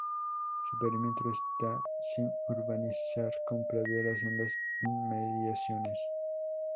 Su perímetro está sin urbanizar, con praderas en las inmediaciones.